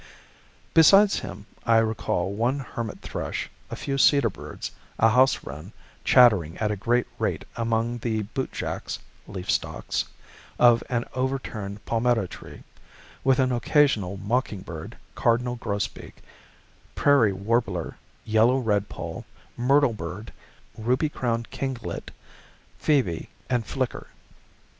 Besides him I recall one hermit thrush, a few cedar birds, a house wren, chattering at a great rate among the "bootjacks" (leaf stalks) of an overturned palmetto tree, with an occasional mocking bird, cardinal grosbeak, prairie warbler, yellow redpoll, myrtle bird, ruby crowned kinglet, phoebe, and flicker.